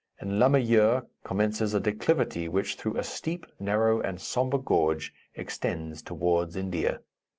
In Lamayure commences a declivity which, through a steep, narrow and sombre gorge, extends toward India.